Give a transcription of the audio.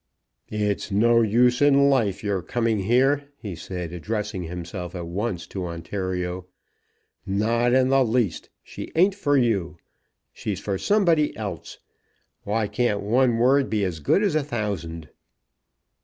"It's no use in life your coming here," he said, addressing himself at once to Ontario; "not the least. She ain't for you. She's for somebody else. Why can't one word be as good as a thousand?"